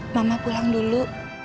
mama pulang dulu